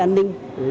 luôn luôn đồng hành